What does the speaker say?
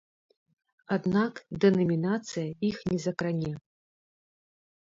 Аднак дэнамінацыя іх не закране.